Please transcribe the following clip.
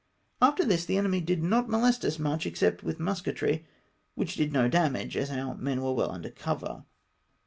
After this the enemy did not molest us much, except with musketry, which did no damage, as our men were well under cover.